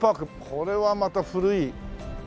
これはまた古い。